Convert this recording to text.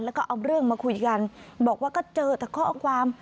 แล้วก็เอาเรื่องมาคุยกันบอกว่าก็เจอแต่ข้อความ